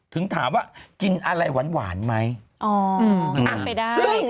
ถึงถามว่ากินอะไรหวานไหม